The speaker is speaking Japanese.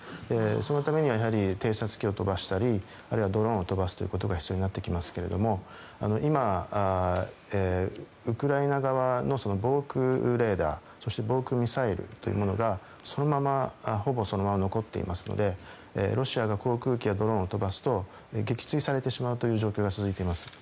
そのためには、やはり偵察機を飛ばしたりあるいはドローンを飛ばすことが必要になってきますけど今、ウクライナ側の防空レーダーそして防空ミサイルというものがほぼそのまま残っていますのでロシアが航空機やドローンを飛ばすと撃墜されてしまうという状況が続いています。